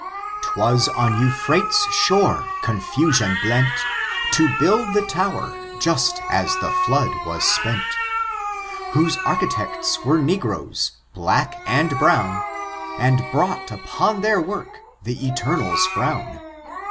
'Twas on Euphrate's shore, confasion blenty To build the tower, just ae the flood was spent; Whose architects were negroes, black and brown. And brought upon their work the Eternal's frown.